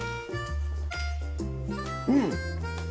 うん！